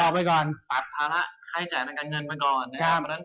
ปัดภาระให้จ่ายทางการเงินไปก่อน